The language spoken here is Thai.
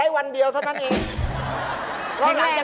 ได้วันเดียวเท่านั้นนี้